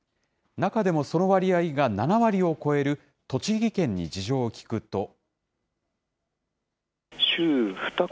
中でもその割合が７割を超える栃木県に事情を聞くと。